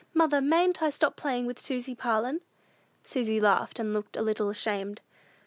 Mother, mayn't I stop playing with Susy Parlin?'" Susy laughed, and looked a little ashamed.